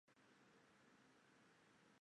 早年是诸生。